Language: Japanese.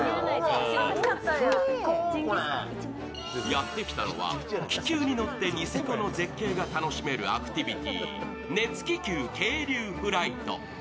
やってきたのは、気球に乗ってニセコの絶景が楽しめるアクティビティー熱気球係留フライト。